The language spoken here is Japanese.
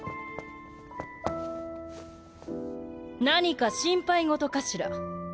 何か心配事かしら。